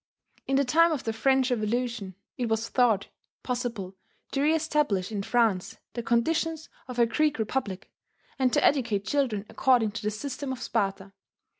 In the time of the French revolution, it was thought possible to reestablish in France the conditions of a Greek republic, and to educate children according to the system of Sparta.